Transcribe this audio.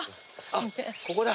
ここだ。